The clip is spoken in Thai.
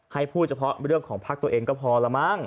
ให้พูดเฉพาะเรื่องของพักตัวเองก็พอละมั้ง